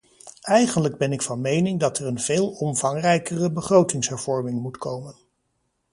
Eigenlijk ben ik van mening dat er een veel omvangrijkere begrotingshervorming moet komen.